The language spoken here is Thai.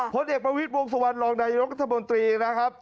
พลเด็กประวิษฐ์วงศ์สวรรค์รองนายนรกธมนตรีนะครับ